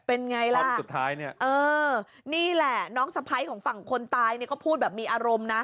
เออนี่แหละน้องสะไพรของฝั่งคนตายเนี้ยก็พูดแบบมีอารมณ์นะ